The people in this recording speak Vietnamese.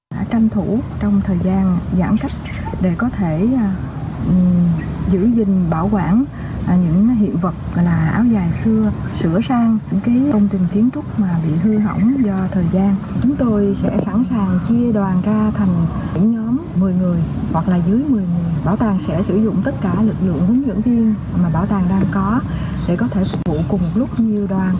bảo tàng sẽ sử dụng tất cả lực lượng hướng dẫn viên mà bảo tàng đang có để có thể phục vụ cùng lúc nhiều đoàn